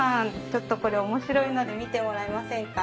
ちょっとこれ面白いので見てもらえませんか？